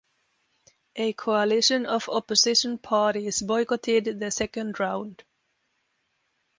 A coalition of opposition parties boycotted the second round.